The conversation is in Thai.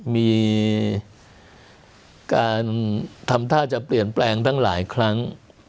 มีการทำท่าจะเปลี่ยนแปลงตั้งหลายครั้ง